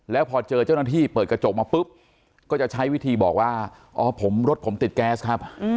แล้วพอเจอเจ้าหน้าที่เปิดกระจกมาปุ๊บก็จะใช้วิธีบอกว่าอ๋อผมรถผมติดแก๊สครับ